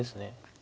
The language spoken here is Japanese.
あ。